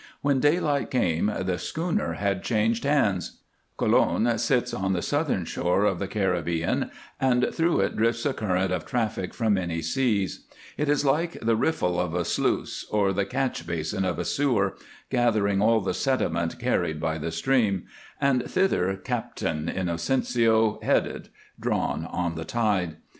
When daylight came the schooner had changed hands. Colon sits on the southern shore of the Caribbean, and through it drifts a current of traffic from many seas. It is like the riffle of a sluice or the catch basin of a sewer, gathering all the sediment carried by the stream, and thither Captain Inocencio headed, drawn on the tide.